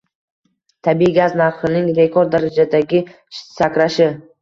Tabiiy gaz narxhining rekord darajadagi sakrashi